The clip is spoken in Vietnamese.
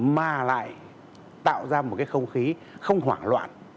mà lại tạo ra một cái không khí không hoảng loạn